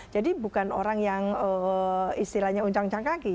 jadi bukan orang yang istilahnya uncang cangkaki